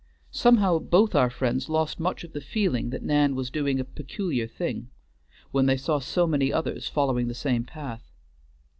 Somehow both our friends lost much of the feeling that Nan was doing a peculiar thing, when they saw so many others following the same path.